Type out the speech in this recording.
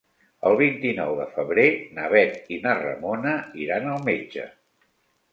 El vint-i-nou de febrer na Bet i na Ramona iran al metge.